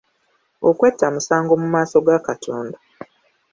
Okwetta musango mu maaso ga Katonda.